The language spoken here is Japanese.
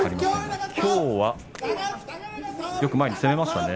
きょうはよく前に攻めましたね。